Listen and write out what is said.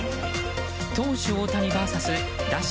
投手・大谷ＶＳ打者